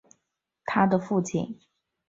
他的父亲也是一位足球运动员。